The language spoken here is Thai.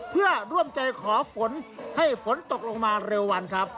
เพื่อร่วมใจขอฝนให้ฝนตกลงมาเร็ววันครับ